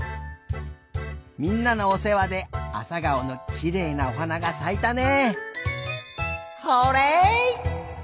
みんなのおせわであさがおのきれいなおはながさいたね。